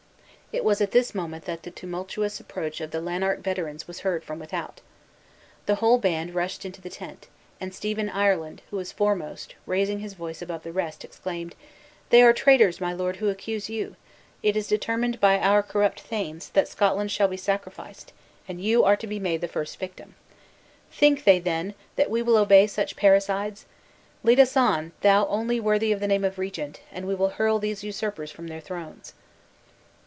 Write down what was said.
It was at this moment that the tumultuous approach of the Lanark veterans was heard from without. The whole band rushed into the tent; and Stephen Ireland, who was foremost, raising his voice above the rest, exclaimed: "They are the traitors, my lord, who accuse you! It is determined, by our corrupted thanes, that Scotland shall be sacrificed, and you are to be made the first victim. Think they, then, that we will obey such parricides? Lead us on, thou only worthy of the name of regent, and we will hurl these usurpers from their thrones."